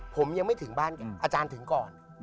ผมยังไม่ถึงบ้านอาจารย์ถึงก่อน